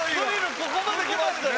ここまで来ましたよ